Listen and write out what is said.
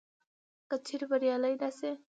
که چیري بریالي نه سي